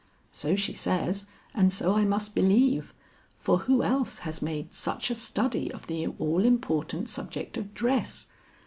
So she says and so I must believe, for who else has made such a study of the all important subject of dress.